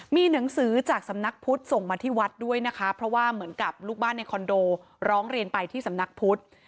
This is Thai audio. มีหนังสือจากสำนักพุทธส่งมาที่วัดด้วยนะคะเพราะว่าเหมือนกับลูกบ้านในคอนโดร้องเรียนไปที่สำนักพุทธ